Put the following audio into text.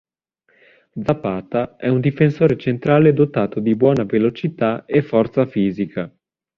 Zapata è un difensore centrale dotato di buona velocità e forza fisica.